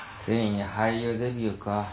ついに俳優デビューか。